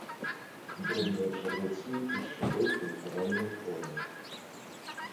Дробныя чарвяцы і шчытоўкі авальнай формы.